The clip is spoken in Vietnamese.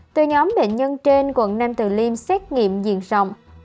từ nhóm bệnh nhân trên quận nam từ liêm xét nghiệm diện rộng